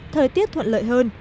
thời tiết thuận lợi hơn